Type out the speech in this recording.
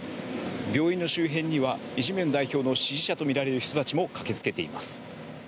病院の周辺にはイ・ジェミョン代表の支持者とみられる人たちも駆けつけています。